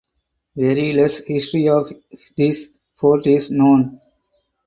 Very less history of this fort is known.